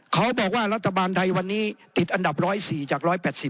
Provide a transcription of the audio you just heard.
เขาบอกว่ารัฐบาลไทยวันนี้ติดอันดับ๑๐๔จาก๑๘๐